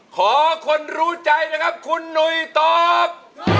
ขอคนรู้ใจนะครับคุณหนุ่ยตอบ